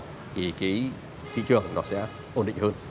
thì cái thị trường nó sẽ ổn định hơn